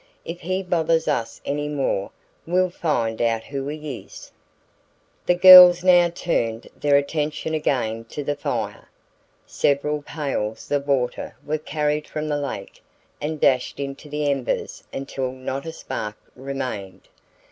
"If he bothers us any more we'll find out who he is." The girls now turned their attention again to the fire. Several pails of water were carried from the lake and dashed into the embers until not a spark remained.